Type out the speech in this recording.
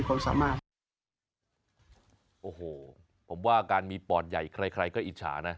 การมีปอดใหญ่ใครก็อิจฉานะ